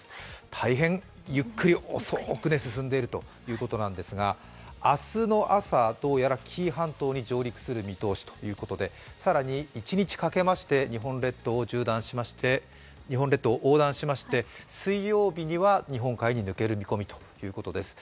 大変ゆっくり遅く進んでいるということなんですが、明日の朝、どうやら紀伊半島に上陸する見通しということで更に一日かけまして日本列島を横断しまして、水曜日には日本海に抜ける見込みということです。